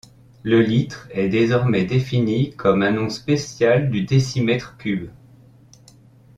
Le litre est désormais défini comme un nom spécial du décimètre cube.